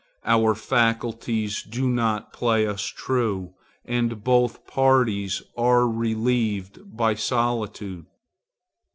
Our faculties do not play us true, and both parties are relieved by solitude.